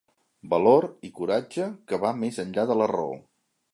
Valor i coratge que va més enllà de la raó.